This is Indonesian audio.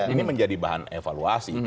ini menjadi bahan evaluasi